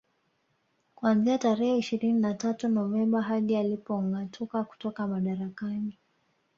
Kuanzia tarehe ishirini na tatu Novemba hadi alipongâatuka kutoka madarakani